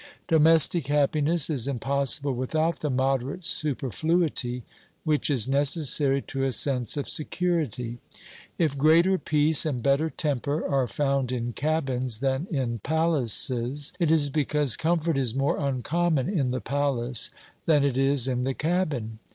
Domestic happiness is impossible without the moderate superfluity which is necessary to a sense of security. If greater peace and better temper are found in cabins than in palaces, it is because comfort is more uncommon in the palace than it is in the cabin.